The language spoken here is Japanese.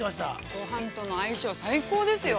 ◆ごはんとの相性、最高ですよ。